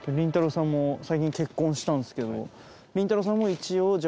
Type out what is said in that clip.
さんも最近結婚したんすけど。